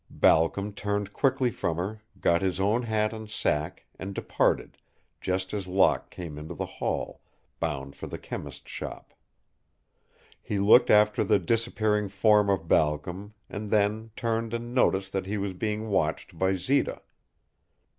Balcom turned quickly from her, got his own hat and sack, and departed, just as Locke came into the hall, bound for the chemist's shop. He looked after the disappearing form of Balcom, and then turned and noticed that he was being watched by Zita.